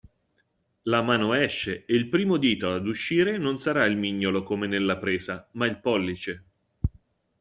La mano esce ed il primo dito ad uscire non sarà il mignolo come nella presa, ma il pollice.